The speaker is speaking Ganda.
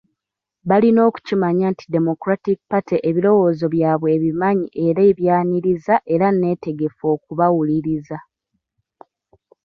Balina okukimanya nti Democratic Party ebirowoozo byabwe ebimanyi era ebyaniriza era nneetegefu okubawuliriza.